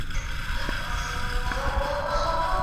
که دغه اساسات له منځه ولاړل، نور هغه اړيکي بي بنسټه دي.